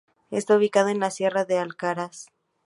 Está ubicada en la Sierra de Alcaraz.